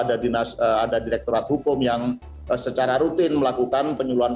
ada di rektorat hukum yang secara rutin melakukan penyuluhan penyuluhan hukum